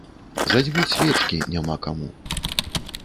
Задзьмуць свечкі няма каму.